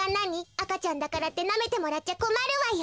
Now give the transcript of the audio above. あかちゃんだからってなめてもらっちゃこまるわよ。